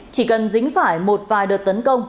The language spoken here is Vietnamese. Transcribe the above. chỉ cần dính phải một vài đợt tấn công